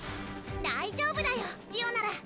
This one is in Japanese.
大丈夫だよジオなら。